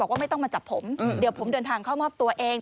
ว่าไม่ต้องมาจับผมเดี๋ยวผมเดินทางเข้ามอบตัวเอง